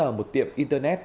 ở một tiệm internet